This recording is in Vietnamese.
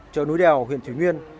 chợ núi đèo huyện thủy nguyên